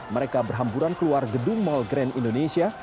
mereka berhamburan keluar gedung mall grand indonesia